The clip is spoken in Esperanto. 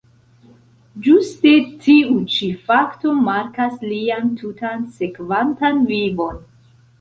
Ĝuste tiu ĉi fakto markas lian tutan sekvantan vivon.